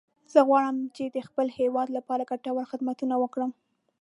زه غواړم چې د خپل هیواد لپاره ګټور خدمتونه وکړم